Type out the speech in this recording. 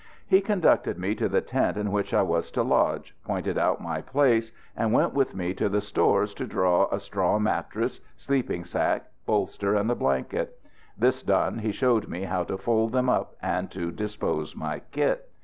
He conducted me to the tent in which I was to lodge, pointed out my place, and went with me to the stores to draw a straw mattress, sleeping sack, bolster and a blanket. This done, he showed me how to fold them up and to dispose my kit.